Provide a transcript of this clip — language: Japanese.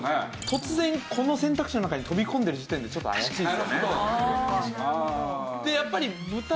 突然この選択肢の中に飛び込んでる時点でちょっと怪しいですよね。